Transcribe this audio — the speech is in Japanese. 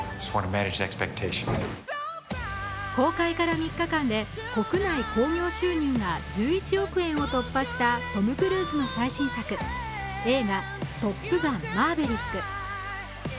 公開から３日間で国内興行収入が１１億円を突破したトム・クルーズの最新作、映画「トップガンマーヴェリック」。